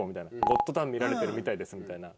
「『ゴッドタン』見られてるみたいです」みたいな。